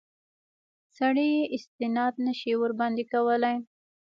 سړی استناد نه شي ورباندې کولای.